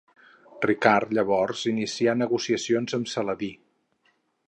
Ricard llavors inicià negociacions amb Saladí.